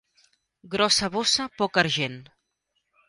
Grossa bossa, poc argent.